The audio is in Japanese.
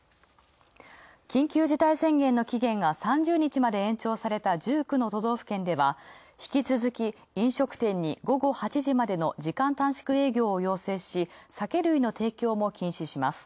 緊急事態宣言が３０日まで延長された１９の都道府県では引き続き、飲食店に午後８時までの時間短縮営業を要請し酒類の提供も禁止します。